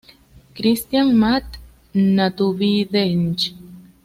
Christiana, Math.-Naturvidensk.